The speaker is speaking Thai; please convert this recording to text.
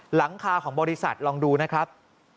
หลังคาของบริษัทลองดูนะครับ